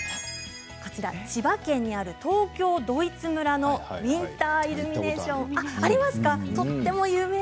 千葉県にある東京ドイツ村のウインターイルミネーションです。